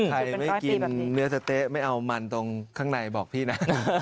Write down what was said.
ใครไม่กินเนื้อสะเต๊ะไม่เอามันตรงข้างในบอกพี่นะ